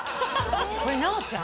これ奈央ちゃん？